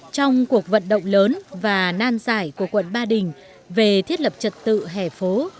trong cuộc vận động lớn và nan giải của quận ba đình về thiết lập trật tự hẻ phố